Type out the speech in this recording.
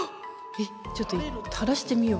えっちょっとたらしてみよう。